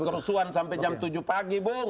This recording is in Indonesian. kerusuhan sampai jam tujuh pagi belum